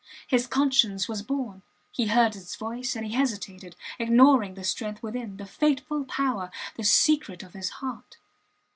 His conscience was born he heard its voice, and he hesitated, ignoring the strength within, the fateful power, the secret of his heart!